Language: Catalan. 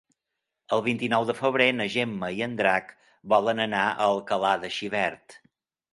El vint-i-nou de febrer na Gemma i en Drac volen anar a Alcalà de Xivert.